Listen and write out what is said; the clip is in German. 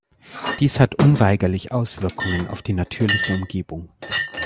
Dies hat unweigerlich Auswirkungen auf die natürliche Umgebung.